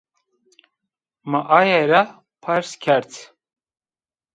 Mi aye ra pers kerd